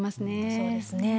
そうですね。